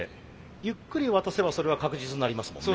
ゆっくり渡せばそれは確実になりますもんね。